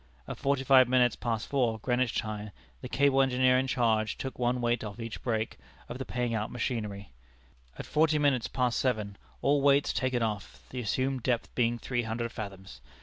At forty five minutes past four, Greenwich time, the cable engineer in charge took one weight off each brake of the paying out machinery. At forty minutes past seven all weights taken off, the assumed depth being three hundred fathoms.